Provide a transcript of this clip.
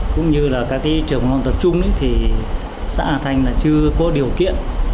cũng như là các trường mầm non tập trung thì xã hà thanh là chưa có điều kiện